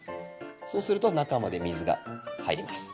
そうすると中まで水が入ります。